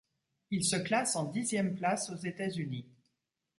Il se classe en dixième place aux États-Unis.